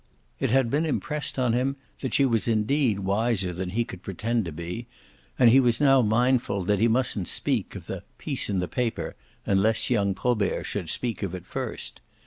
It had been impressed on him that she was indeed wiser than he could pretend to be, and he was now mindful that he mustn't speak of the "piece in the paper" unless young Probert should speak of it first.